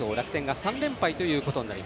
楽天が３連敗。